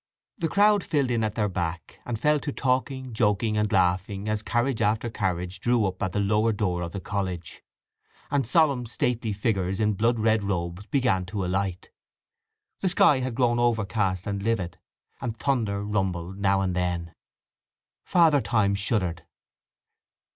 The crowd filled in at their back, and fell to talking, joking, and laughing as carriage after carriage drew up at the lower door of the college, and solemn stately figures in blood red robes began to alight. The sky had grown overcast and livid, and thunder rumbled now and then. Father Time shuddered.